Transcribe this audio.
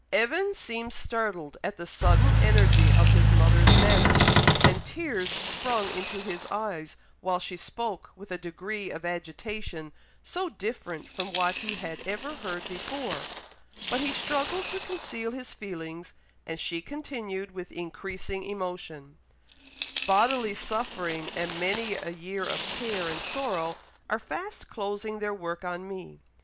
Evan seemed startled at the sudden energy of his mother's manner, and tears sprung into his eyes while she spoke with a degree of agitation so different from what he had ever heard before; but he struggled to conceal his feelings, and she continued with increasing emotion, "Bodily suffering, and many a year of care and sorrow, are fast closing their work on me.